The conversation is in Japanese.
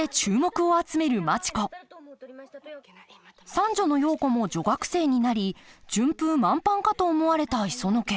三女のヨウ子も女学生になり順風満帆かと思われた磯野家。